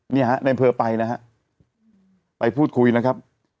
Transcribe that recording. นี่ฮะในอำเภอไปนะฮะไปพูดคุยนะครับ